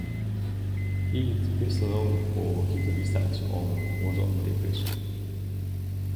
He is best known for his research on ozone depletion.